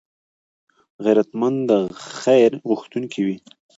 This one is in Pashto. غیرتمند د خیر غوښتونکی وي